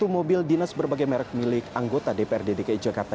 satu ratus satu mobil dinas berbagai merek milik anggota dprd dki jakarta